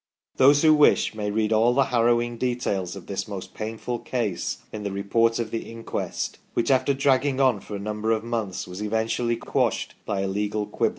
Those who wish may read all the harrowing details of this most painful case in the Report of the Inquest, which after dragging on for a number of months was eventually quashed by a legal quibble.